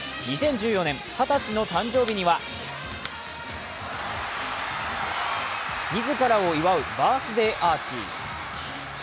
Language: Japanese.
２０１４年、２０歳の誕生日には自らを祝うバースデーアーチ。